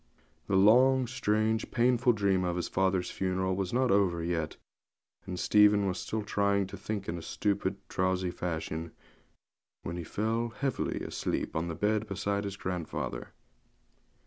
The long, strange, painful dream of father's funeral was not over yet, and Stephen was still trying to think in a stupid, drowsy fashion, when he fell heavily asleep on the bed beside his grandfather.